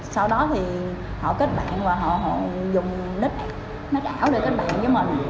sau đó thì họ kết bạn và họ dùng đích máy đảo để kết bạn với mình